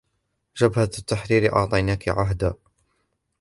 جبهة التحرير أعطيناك عهدا